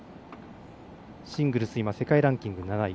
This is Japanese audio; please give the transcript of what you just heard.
シングルス、世界ランキング７位。